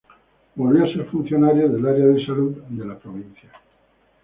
Volvió a ser funcionario del área de salud de la provincia.